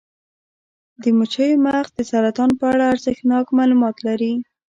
د مچیو مغز د سرطان په اړه ارزښتناک معلومات لري.